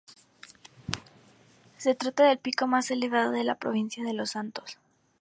Se trata del pico más elevado de la provincia de Los Santos.